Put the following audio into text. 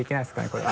これ。